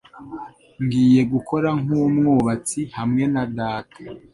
Ngiye gukora nk'umwubatsi hamwe na data.